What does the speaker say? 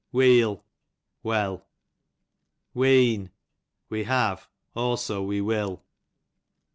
Weel, loell. Ween, we have ; also we will.